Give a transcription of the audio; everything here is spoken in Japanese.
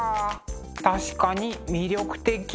確かに魅力的。